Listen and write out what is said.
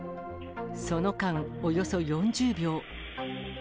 その間およそ４０秒。